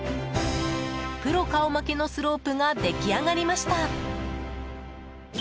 プロ顔負けのスロープが出来上がりました！